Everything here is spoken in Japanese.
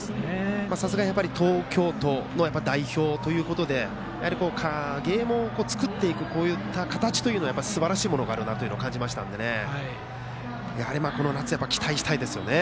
さすがに東京都の代表ということでゲームを作っていく形というのはすばらしいものがあるなと感じましたのでやはりこの夏も期待したいですね。